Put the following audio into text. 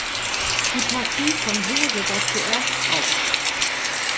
Die Partie von Hose war zuerst aus.